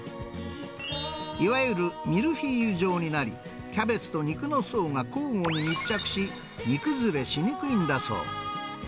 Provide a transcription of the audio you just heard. いわゆるミルフィーユ状になり、キャベツと肉の層が交互に密着し、煮崩れしにくいんだそう。